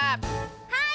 はい！